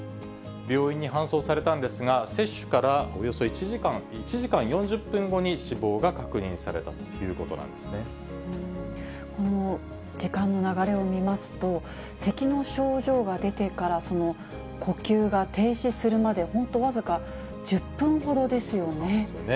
病院に搬送されたんですが、接種からおよそ１時間４０分後に死亡が確認されたということなんこの時間の流れを見ますと、せきの症状が出てから、呼吸が停止するまで、本当僅か１０分ほどですよね。